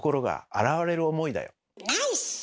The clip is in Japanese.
ナイス！